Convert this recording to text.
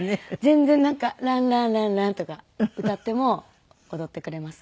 全然なんか「ララララ」とか歌っても踊ってくれます。